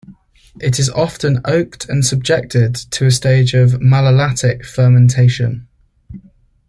It is often oaked and subjected to a stage of malolactic fermentation.